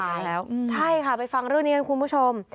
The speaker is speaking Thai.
ใช่ค่ะไปฟังเรื่องนี้กันคุณผู้ชม